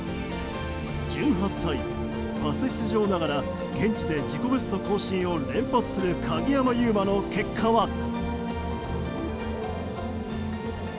１８歳、初出場ながら現地で自己ベスト更新を連発する鍵山優真の結果は。